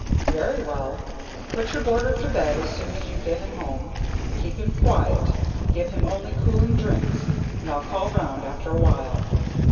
"Very well; put your boarder to bed as soon as you get him home, keep him quiet, give him only cooling drinks, and I'll call round after a while.